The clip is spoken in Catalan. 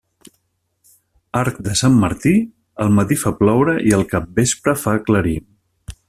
Arc de Sant Martí, el matí fa ploure i el capvespre fa aclarir.